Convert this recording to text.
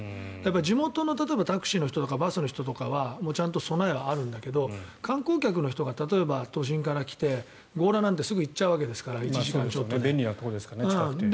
地元のタクシーの人とかバスの人とかはちゃんと備えはあるんだけど観光客の人が例えば、都心から来て強羅なんてすぐ行っちゃうわけですから１時間ちょっとで。